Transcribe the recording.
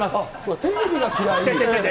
テレビが嫌い。